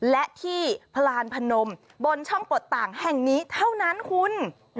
และที่พลานพนมบนช่องปลดต่างแห่งนี้เท่านั้นคุณ